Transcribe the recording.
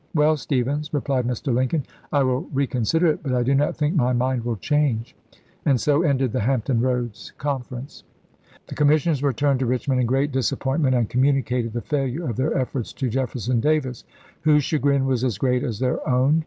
"Well, Stephens," replied Mr. Lincoln, "I will re s^aern8' consider it; but I do not think my mind will testates." change." And so ended the Hampton Roads con pp. eio eis. ference. The commissioners returned to Richmond in great disappointment, and communicated the failure of their efforts to Jefferson Davis, whose chagrin was as great as their own.